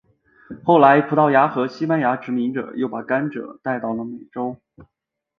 后来葡萄牙和西班牙殖民者又把甘蔗带到了美洲。